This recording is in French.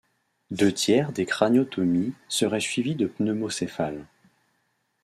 Deux tiers des craniotomies seraient suivies de pneumocéphale.